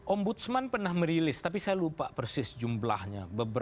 om budsman pernah merilis tapi saya lupa persis jumlahnya